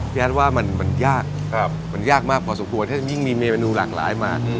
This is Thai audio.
พี่แอดว่ามันยากมากพอสมควรยิ่งมีเมนูหลากหลายมาก